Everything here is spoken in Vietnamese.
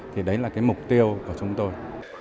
thì đấy là cái mục tiêu của chúng tôi